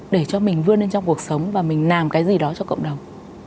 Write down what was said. để cho mình vươn lên trong cuộc sống và mình làm cái gì đó cho cộng đồng